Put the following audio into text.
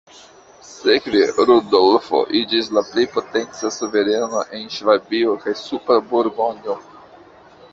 Sekve Rudolfo iĝis la plej potenca suvereno en Ŝvabio kaj Supra Burgonjo.